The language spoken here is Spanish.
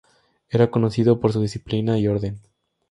Era conocido por su disciplina y orden.